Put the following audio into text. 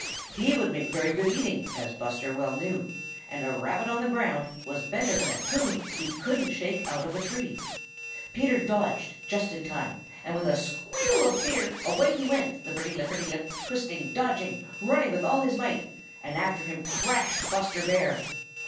He would make very good eating, as Buster well knew, and a Rabbit on the ground was better than a Coon he couldn't shake out of a tree. Peter dodged just in time and with a squeal of fear away he went, lipperty lipperty lip, twisting, dodging, running with all his might, and after him crashed Buster Bear.